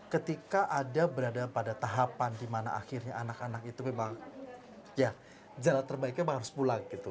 ketika ada berada pada tahapan dimana akhirnya anak anak itu memang ya jalan terbaiknya harus pulang gitu